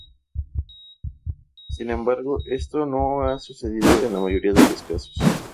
Sin embargo, esto no ha sucedido en la mayoría de los casos.